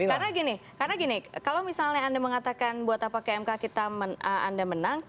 karena gini karena gini kalau misalnya anda mengatakan buat apa ke mk kita anda menang